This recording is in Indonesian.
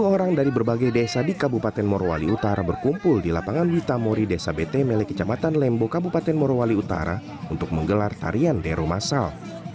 sepuluh orang dari berbagai desa di kabupaten morowali utara berkumpul di lapangan witamori desa bt mele kecamatan lembo kabupaten morowali utara untuk menggelar tarian dero masal